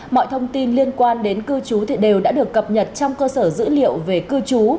mọi thông tin liên quan đến cư trú đều đã được cập nhật trong cơ sở dữ liệu về cư trú